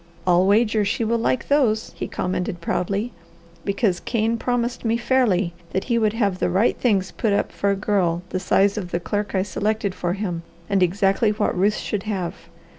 "I'll wager she will like those," he commented proudly, "because Kane promised me fairly that he would have the right things put up for a girl the size of the clerk I selected for him, and exactly what Ruth should have.